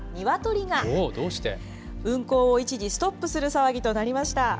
運行を一時ストップする騒ぎとなりました。